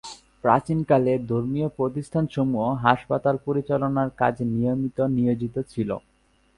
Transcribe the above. প্রাচীনকালে ধর্মীয় প্রতিষ্ঠানসমূহ হাসপাতাল পরিচালনার কাজে নিয়মিত নিয়োজিত থাকতেন।